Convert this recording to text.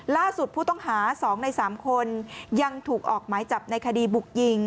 ล่าสุดผู้ต้องหา๒ใน๓คนยังถูกออกหมายจับในคดีบุกยิง